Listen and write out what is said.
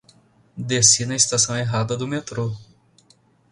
Desci na estação errada do metrô.